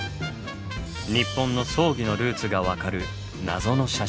日本の葬儀のルーツがわかる謎の写真集。